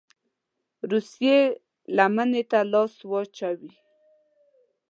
روسيې لمني ته لاس واچوي.